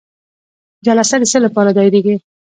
جلسه د څه لپاره دایریږي؟